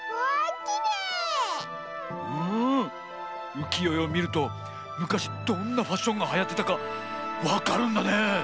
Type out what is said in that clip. うきよえをみるとむかしどんなファッションがはやってたかわかるんだね！